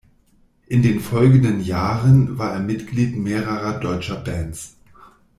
In den folgenden Jahren war er Mitglied mehrerer deutscher Bands.